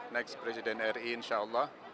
next presiden ri insya allah